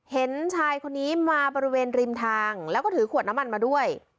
เห็นชายคนนี้มาบริเวณริมทางแล้วก็ถือขวดน้ำมันมาด้วย